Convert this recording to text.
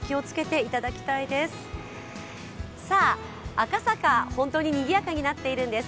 赤坂、本当ににぎやかになっているんです。